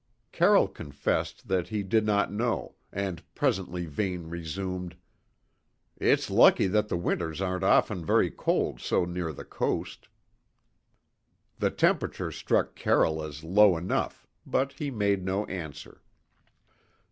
Carroll confessed that he did not know, and presently Vane resumed: "It's lucky that the winters aren't often very cold so near the coast." The temperature struck Carroll as low enough, but he made no answer.